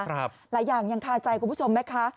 หลายอย่างยังคาใจคุณผู้ชมไหมคะ